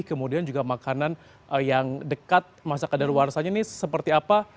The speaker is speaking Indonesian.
kemudian juga makanan yang dekat masa kadar warsanya ini seperti apa